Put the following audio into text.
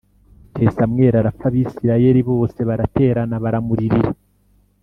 Bukeye Samweli arapfa, Abisirayeli bose baraterana baramuririra